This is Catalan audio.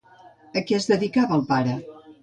A què es dedicava el pare?